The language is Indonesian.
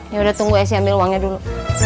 yaudah tunggu ya sih ambil uangnya dulu